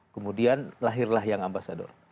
kemudian lahirlah yang ambasador